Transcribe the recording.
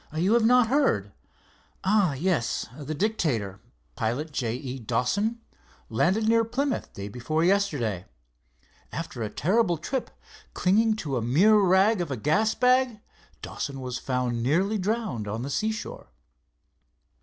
"You had not heard? Ah, yes, the Dictator, pilot J. E. Dawson, landed near Plymouth day before yesterday. After a terrible trip, clinging to the mere rag of a gas bag, Dawson was found nearly drowned on the seashore."